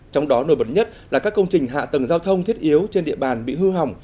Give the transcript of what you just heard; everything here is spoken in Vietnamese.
trong đó nổi bật nhất là các công trình hạ tầng giao thông thiết yếu trên địa bàn bị hư hỏng